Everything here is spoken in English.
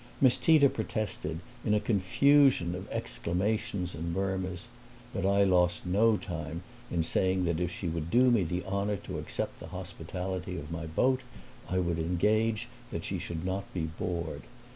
Miss Tita protested, in a confusion of exclamations and murmurs; but I lost no time in saying that if she would do me the honor to accept the hospitality of my boat I would engage that she should not be bored.